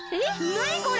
なにこれ！？